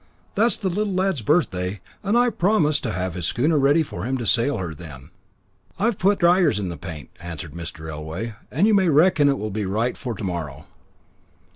"That's the little lad's birthday, and I promised to have his schooner ready for him to sail her then." "I've put dryers in the paint," answered Mr. Elway, "and you may reckon it will be right for to morrow."